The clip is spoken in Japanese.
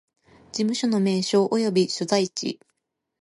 事務所の名称及び所在地